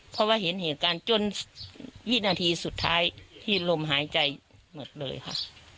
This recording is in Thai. เพราะว่าเห็นเหตุการณ์จนวินาทีสุดท้ายที่ลมหายใจหมดเลยค่ะ